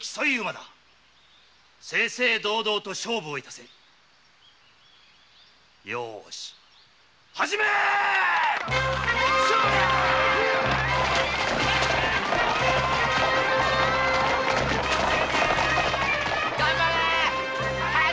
正々堂々と勝負致せようし始め頑張れ「疾風」